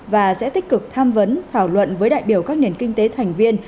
và sẽ tích cực tham vấn thảo luận với đại biểu các nền kinh tế thành viên